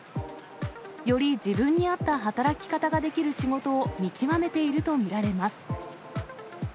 より自分に合った働き方ができる仕事を見極めていると見られます。